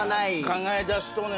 考えだすとね。